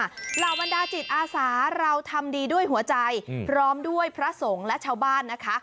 เหล่าบรรดาจิตอาสาเราทำดีด้วยหัวใจพร้อมด้วยพระสงฆ์และชาวบ้านนะคะ